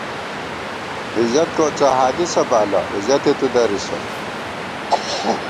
عزت کوڅہ حدیثہ بالہ عزتے تُو درِسہ